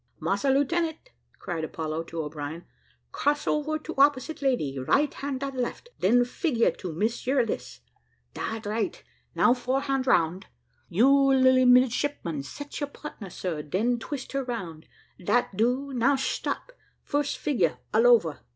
"Massa Lieutenant," cried Apollo to O'Brien, "cross over to opposite lady, right hand and left, den figure to Miss Eurydice dat right: now four hand round. You lily midshipman, set your partner, sir; den twist her round; dat do, now stop. First figure all over."